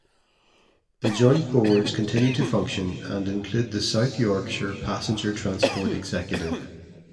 The joint boards continue to function and include the South Yorkshire Passenger Transport Executive.